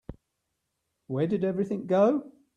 Where did everything go?